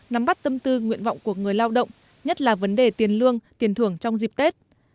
nắm bắt tâm tư nguyện vọng của người lao động nhất là vấn đề tiền lương tiền thưởng trong dịp tết